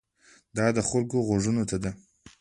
دا د خلکو غوږونو ته ده.